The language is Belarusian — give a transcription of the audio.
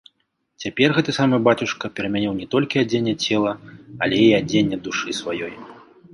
Цяпер гэты самы бацюшка перамяніў не толькі адзенне цела, але і адзенне душы сваёй.